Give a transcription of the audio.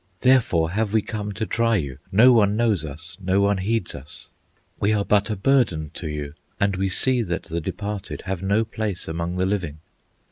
Therefore have we come to try you; No one knows us, no one heeds us. We are but a burden to you, And we see that the departed Have no place among the living.